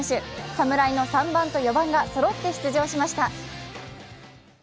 侍の３番と４番がそろって出場しました。